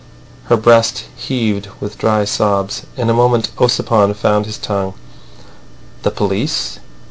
Her breast heaved with dry sobs. In a moment Ossipon found his tongue. "The police!